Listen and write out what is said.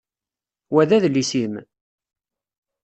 Wa d adlis-im?